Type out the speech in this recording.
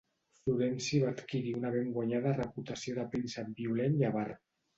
Florenci va adquirir una ben guanyada reputació de príncep violent i avar.